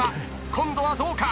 今度はどうか？